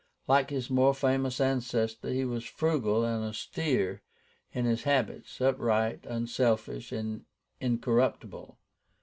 Like his more famous ancestor, he was frugal and austere in his habits, upright, unselfish, and incorruptible.